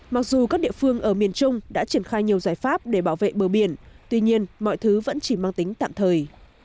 mặc dù các địa phương ở miền trung đã triển khai nhiều giải pháp để bảo vệ bờ biển tuy nhiên mọi thứ vẫn chỉ mang tính tạm thời